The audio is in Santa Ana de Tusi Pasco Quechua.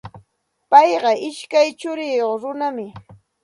Payqa ishkay churiyuq runam.